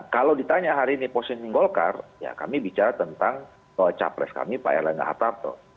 kalau ditanya hari ini posisi golkar ya kami bicara tentang capres kami pak erlangga hartarto